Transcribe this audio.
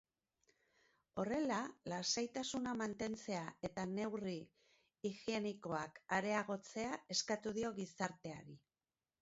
Horrela, lasaitasuna mantentzea eta neurri higienikoak areagotzea eskatu dio gizarteari.